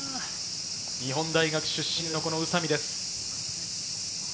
日本大学出身の宇佐美です。